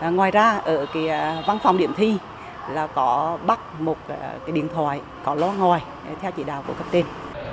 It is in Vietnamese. ngoài ra ở văn phòng điểm thi là có bắt một điện thoại có ló ngồi theo chỉ đạo của các tên